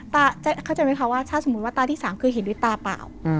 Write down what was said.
ถ้าสมมุติว่าตาที่๓คือเห็นด้วยตาเปล่า